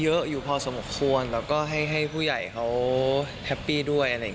เยอะอยู่พอสมควรแล้วก็ให้ผู้ใหญ่เขาแฮปปี้ด้วย